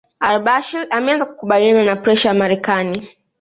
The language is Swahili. AlBashir ameanza kukubaliana na presha ya Marekani